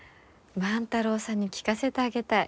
万太郎さんに聞かせてあげたい。